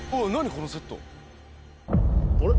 このセット」あれ？